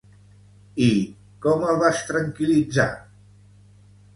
I com el vas tranquil·litzar?